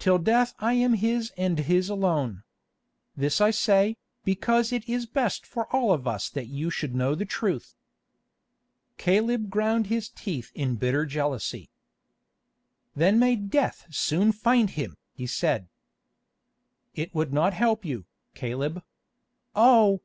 "Till death I am his and his alone. This I say, because it is best for all of us that you should know the truth." Caleb ground his teeth in bitter jealousy. "Then may death soon find him!" he said. "It would not help you, Caleb. Oh!